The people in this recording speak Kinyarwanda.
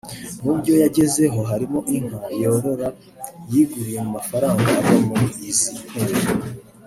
Mu byo yagezeho harimo inka yorora yiguriye mu mafaranga ava muri izi ntebe